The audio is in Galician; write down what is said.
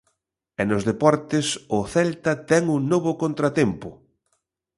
E nos deportes, o Celta ten un novo contratempo.